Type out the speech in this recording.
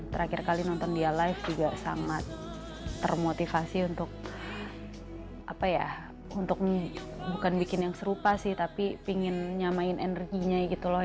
terakhir kali nonton dia live juga sangat termotivasi untuk bukan bikin yang serupa sih tapi pingin nyamain energinya gitu loh